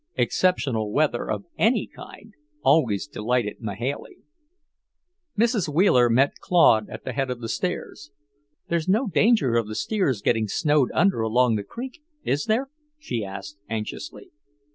Exceptional weather of any kind always delighted Mahailey. Mrs. Wheeler met Claude at the head of the stairs. "There's no danger of the steers getting snowed under along the creek, is there?" she asked anxiously.